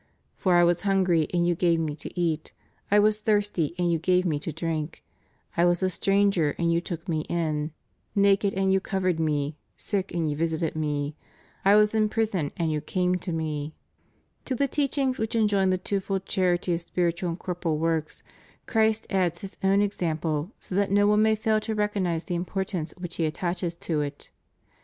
For I was hungry and you gave Ale to eat; I was thirsty and you gave Me to drink; I was a stranger and you took Me in; naked and you covered Me; sick and you visited Me; I was in prison and you came to Me} To the teachings which enjoin the twofold charity of spiritual and corporal works, Christ adds His own ex ample so that no one may fail to recognize the importance which He attaches to it.